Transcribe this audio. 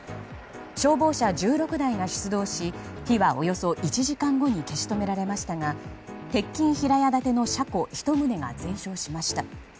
消防車１６台が出動し火はおよそ１時間後に消し止められましたが鉄筋平屋建ての車庫１棟が全焼しました。